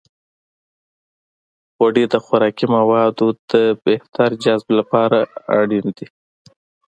غوړې د خوراکي موادو د بهتر جذب لپاره اړینې دي.